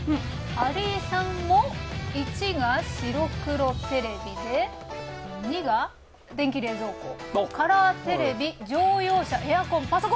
有井さんも①が白黒テレビで②が電気冷蔵庫カラーテレビ乗用車エアコンパソコン。